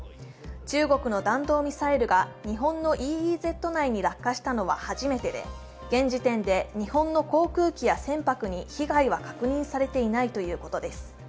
中国の弾道ミサイルが日本のＥＥＺ内に落下したのは初めてで、現時点で日本の航空機や船舶に被害は確認されていないということです。